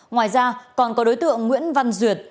ngoài ra còn có đối tượng nguyễn văn duyệt